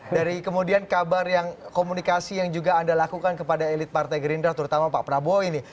dari kemudian kabar yang komunikasi yang juga anda lakukan kepada elit partai gerindra terutama pak prabowo ini